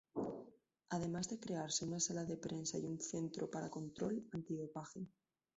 Además de crearse una sala de prensa y un centro para control antidopaje.